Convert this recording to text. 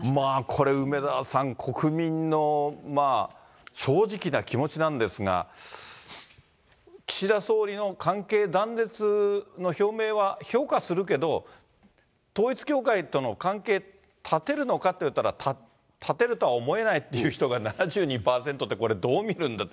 これ、梅沢さん、国民の正直な気持ちなんですが、岸田総理の関係断絶の表明は評価するけど、統一教会との関係、断てるのかっていわれたら断てるとは思えないっていう人が７２％って、これ、どう見るんだ。